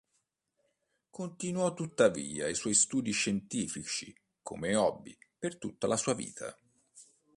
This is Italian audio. Continuò tuttavia i suoi studi scientifici come hobby per tutta la sua vita.